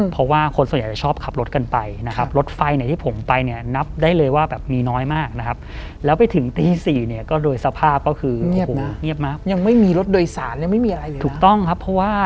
เพราะว่าคนส่วนใหญ่จะชอบขับรถกันไปนะครับ